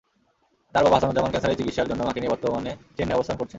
তাঁর বাবা হাসানুজ্জামান ক্যানসারের চিকিৎসার জন্য মাকে নিয়ে বর্তমানে চেন্নাই অবস্থান করছেন।